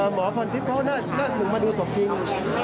หมออปอลติพเพราะว่าหนึ่งมาดูสมทิส